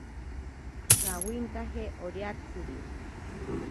Shawinkanaje oriatsiri.